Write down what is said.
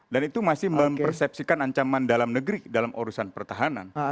dan itu masih mempersepsikan ancaman dalam negeri dalam urusan pertahanan